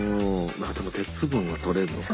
でも鉄分はとれるのか。